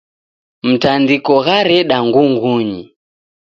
Mtandiko ghareda ngungunyi.